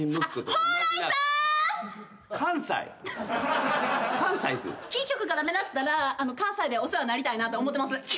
キー局が駄目だったら関西でお世話になりたいなと思ってます。